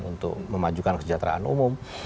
untuk memajukan kesejahteraan umum